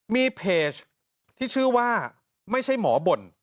มีเพจที่ชื่อว่าไม่ใช่หมอบ่น